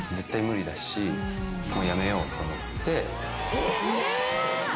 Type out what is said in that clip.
えっ！